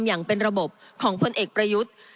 อย่างเป็นระบบของพลเอกประยุทธ์